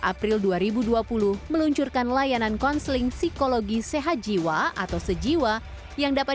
april dua ribu dua puluh meluncurkan layanan konseling psikologi sehat jiwa atau sejiwa yang dapat